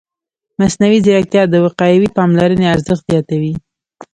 مصنوعي ځیرکتیا د وقایوي پاملرنې ارزښت زیاتوي.